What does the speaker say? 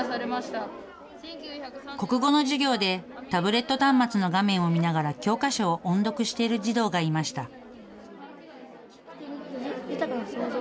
国語の授業でタブレット端末の画面を見ながら教科書を音読している児童がいました。